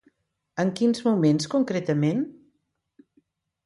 En quins moments concretament?